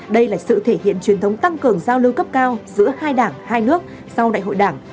đây là sự thể hiện truyền thống tăng cường giao lưu cấp cao giữa hai đảng hai nước sau đại hội đảng